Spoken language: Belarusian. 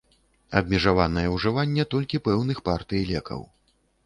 Абмежаванае ўжыванне толькі пэўных партый лекаў.